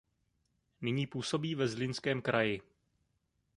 Nyní působí ve Zlínském kraji.